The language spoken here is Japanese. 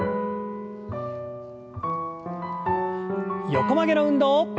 横曲げの運動。